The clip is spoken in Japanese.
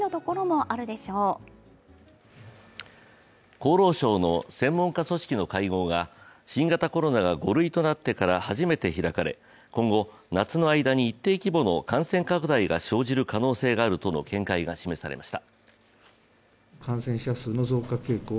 厚労省の専門家組織の会合が新型コロナが５類となってから初めて開かれ今後、夏の間に一定規模の感染拡大が生じる可能性があるとの見解が示されました。